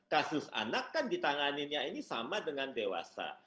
kasus anak kan ditanganinnya ini sama dengan dewasa